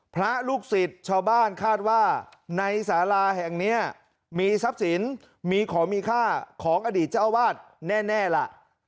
พระลูกศิษย์ชาวบ้านคาดว่าในสาราแห่งนี้มีทรัพย์สินมีของมีค่าของอดีตเจ้าอาวาสแน่ล่ะ